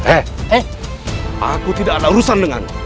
eh eh aku tidak ada urusan dengan